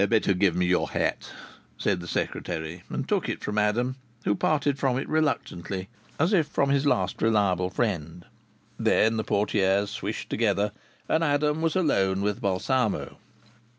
"Better give me your hat," said the secretary, and took it from Adam, who parted from it reluctantly, as if from his last reliable friend. Then the portières swished together, and Adam was alone with Balsamo.